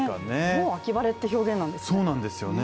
もう秋晴れって表現なんですね。